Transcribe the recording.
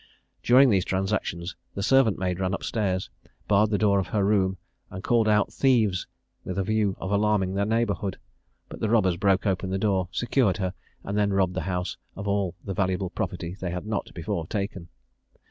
During these transactions the servant maid ran up stairs, barred the door of her room, and called out "Thieves!" with a view of alarming the neighbourhood; but the robbers broke open the door, secured her, and then robbed the house of all the valuable property they had not before taken.